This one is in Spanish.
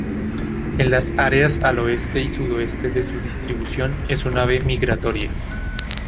En las áreas al oeste y sudoeste de su distribución es un ave migratoria.